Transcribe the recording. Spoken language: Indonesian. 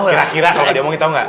kira kira kalau gak diomongin tau gak